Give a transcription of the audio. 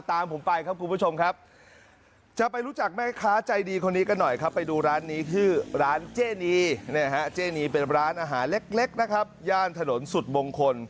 อาหารเล็กนะครับย่านถนนสุดมงคล